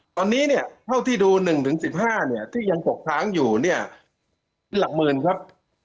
ตอนนี้เท่าที่ดู๑ถึง๑๕ที่ยังตกทางอยู่เป็นหลักหมื่นครับ